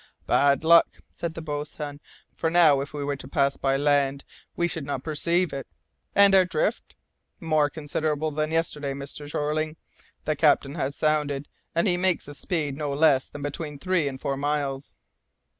"Bad luck!" said the boatswain, "for now if we were to pass by land we should not perceive it." "And our drift?" "More considerable than yesterday, Mr. Jeorling. The captain has sounded, and he makes the speed no less than between three and four miles."